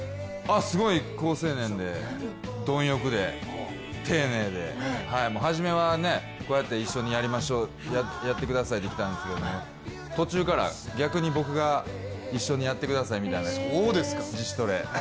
すごい好青年で貪欲で、丁寧で、初めはこうやって一緒にやりましょうやってくださいと言ったんですけど途中から逆に僕が一緒にやってくださいみたいな自主トレ。